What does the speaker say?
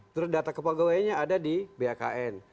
terus data kepegawaiannya ada di bakn